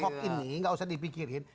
hoax ini tidak usah dipikirin